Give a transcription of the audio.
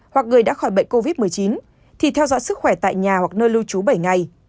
hoặc người đã khỏi bệnh covid một mươi chín thì theo dõi sức khỏe tại nhà hoặc nơi lưu trú bảy ngày